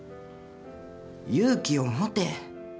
勇気を持て。